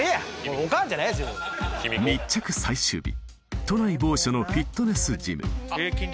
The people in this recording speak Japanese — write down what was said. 密着最終日都内某所のフィットネスジム